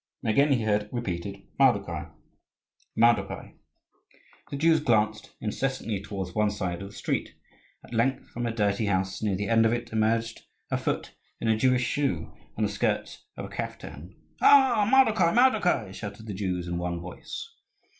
Again he heard repeated, "Mardokhai, Mardokhai!" The Jews glanced incessantly towards one side of the street; at length from a dirty house near the end of it emerged a foot in a Jewish shoe and the skirts of a caftan. "Ah! Mardokhai, Mardokhai!" shouted the Jews in one voice.